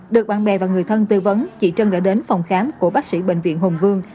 được bạn bè và người thân tư vấn chị trân đã đến phòng khám của bác sĩ bệnh viện hùng vương